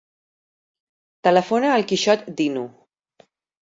Telefona al Quixot Dinu.